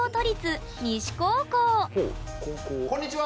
こんにちは！